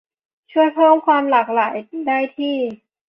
ช่วยเพิ่มความหลากหลายได้ที่